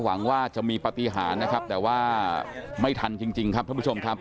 หวังว่าจะมีปฏิหารนะครับแต่ว่าไม่ทันจริงครับท่านผู้ชมครับ